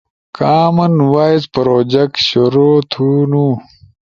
کامن وائس پروجیکٹ شروع تھونو۔